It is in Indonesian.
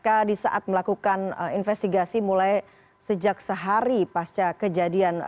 karena di saat melakukan investigasi mulai sejak sehari pasca kejadian